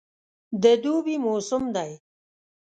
د دوبي موسم دی.